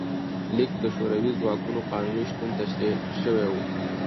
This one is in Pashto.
لیک کې د شوروي ځواکونو قانوني شتون تشریح شوی و.